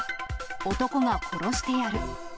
男が殺してやる。